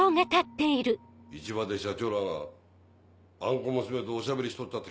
市場で社長らがあん小娘とおしゃべりしちょっ